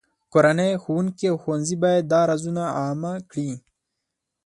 کورنۍ، ښوونکي، او ښوونځي باید دا روزنه عامه کړي.